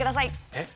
えっ？